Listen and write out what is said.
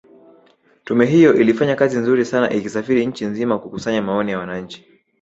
Tume hiyo ilifanya kazi nzuri sana ikisafiri nchi nzima kukusanya maoni ya wananchi